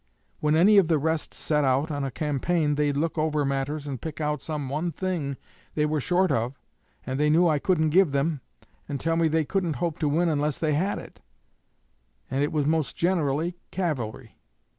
When any of the rest set out on a campaign they'd look over matters and pick out some one thing they were short of and they knew I couldn't give them, and tell me they couldn't hope to win unless they had it and it was most generally cavalry.